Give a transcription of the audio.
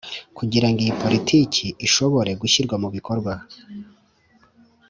Kugira ngo iyi Politiki ishobore gushyirwa mu bikorwa